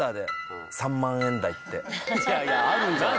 別にいやいやあるんじゃない？